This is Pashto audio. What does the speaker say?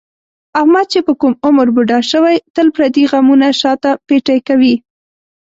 احمد چې په کوم عمر بوډا شوی، تل پردي غمونه شاته پېټی کوي.